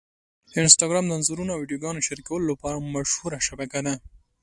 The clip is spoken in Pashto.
انسټاګرام د انځورونو او ویډیوګانو شریکولو لپاره مشهوره شبکه ده.